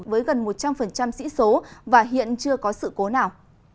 với gần một trăm linh sĩ số và hiện chưa có sự cố nào